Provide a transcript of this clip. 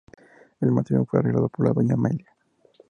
El matrimonio fue arreglado por Doña Amelia.